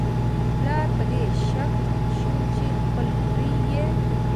پلار په دې شاک شو چې خپل زوی یې